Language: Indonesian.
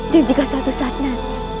dan jika suatu saat nanti